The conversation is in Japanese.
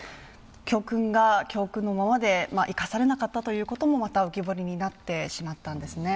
教訓が教訓のままで生かされなかったということもまた浮き彫りになってしまったんですね。